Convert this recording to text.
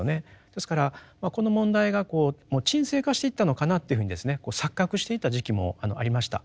ですからこの問題がもう沈静化していったのかなというふうに錯覚していた時期もありました。